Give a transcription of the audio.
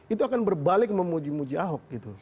itu akan berbalik memuji muji ahok gitu